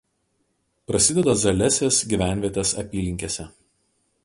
Prasideda Zalesės gyvenvietės apylinkėse.